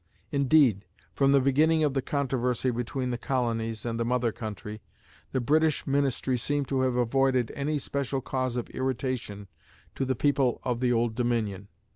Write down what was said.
Indeed, from the beginning of the controversy between the colonies and the mother country, the British Ministry seemed to have avoided any special cause of irritation to the people of the Old Dominion.